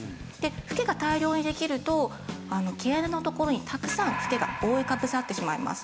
フケが大量にできると毛穴のところにたくさんフケが覆いかぶさってしまいます。